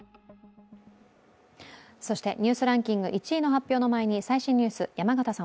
そしてニュースランキング１位の発表の前に最新ニュース、山形さん